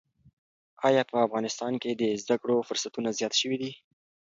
ایا په افغانستان کې د زده کړو فرصتونه زیات شوي دي؟